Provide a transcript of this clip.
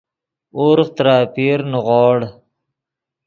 ورغ ترے اپیر نیغوڑ